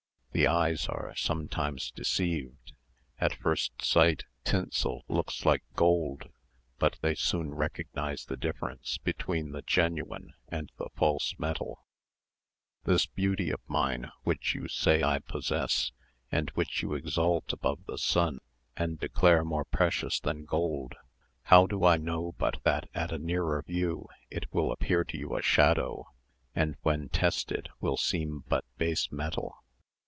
The eyes are sometimes deceived; at first sight tinsel looks like gold; but they soon recognise the difference between the genuine and the false metal. This beauty of mine, which you say I possess, and which you exalt above the sun, and declare more precious than gold, how do I know but that at a nearer view it will appear to you a shadow, and when tested will seem but base metal?